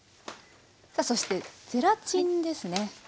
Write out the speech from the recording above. さあそしてゼラチンですね。